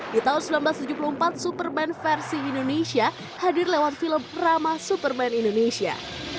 di tahun seribu sembilan ratus tujuh puluh empat superman versi indonesia hadir lewat film rama superman indonesia